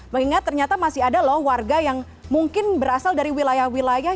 mengingat ternyata masih ada loh warga yang mungkin berasal dari wilayah wilayah